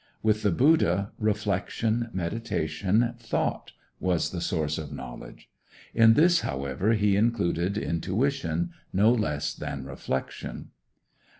With the Buddha, reflection, meditation, thought was the source of knowledge. In this, however, he included intuition no less than reflection.